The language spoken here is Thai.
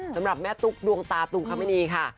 สำหรับแม่ตุ๊กดวงตาตุงคมณีค่ะ